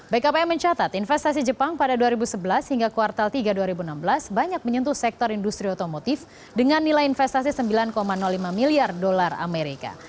bkpm mencatat investasi jepang pada dua ribu sebelas hingga kuartal tiga dua ribu enam belas banyak menyentuh sektor industri otomotif dengan nilai investasi sembilan lima miliar dolar amerika